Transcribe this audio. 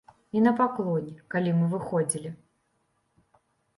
І на паклоне, калі мы выходзілі.